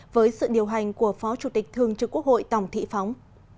với sự điều hành của phó chủ tịch thương trực quốc hội tổng thị phóng